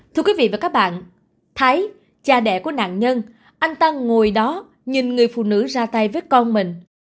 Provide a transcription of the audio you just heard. thưa quý vị và các bạn thấy cha đẻ của nạn nhân anh tân ngồi đó nhìn người phụ nữ ra tay với con mình